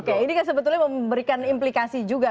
oke ini kan sebetulnya memberikan implikasi juga